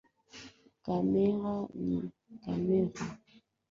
Kamera ni kamera